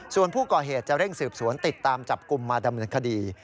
ส่วนผู้ก่อเหตุจะเร่งสืบสวนติดตามจับกลุ่มมาดำเนินคดี